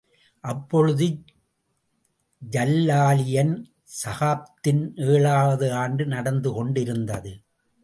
அப்பொழுது ஜல்லாலியன் சகாப்தத்தின் ஏழாவது ஆண்டு நடந்து கொண்டிருந்தது.